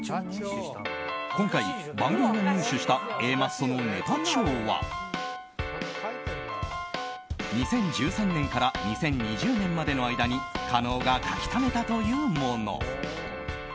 今回、番組が入手したＡマッソのネタ帳は２０１３年から２０２０年までの間に加納が書き留めたというもの。